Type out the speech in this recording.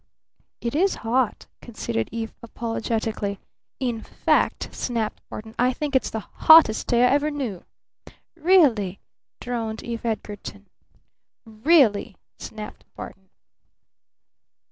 "It is hot," conceded Eve apologetically. "In fact," snapped Barton, "I think it's the hottest day I ever knew!" "Really?" droned Eve Edgarton. "Really!" snapped Barton.